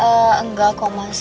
ehm enggak kok mas